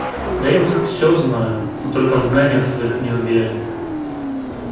Да я уже всё знаю, но только в знаниях своих не уверен.